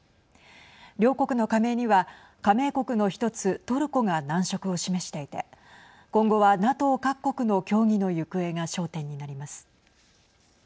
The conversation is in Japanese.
両国の加盟には加盟国の一つ、トルコが難色を示していて今後はＮＡＴＯ各国の協議の行方が焦点になります。